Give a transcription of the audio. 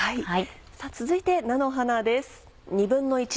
続いて菜の花です。